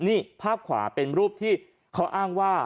ดาลินางแบบใส่ภาพขวาเป็นรูปที่เขาอ้างว่า